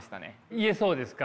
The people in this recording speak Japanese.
言えそうですか？